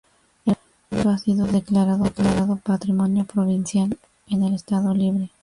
El monumento ha sido declarado Patrimonio Provincial en el Estado Libre.